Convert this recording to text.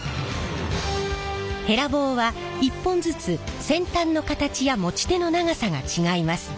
へら棒は１本ずつ先端の形や持ち手の長さが違います。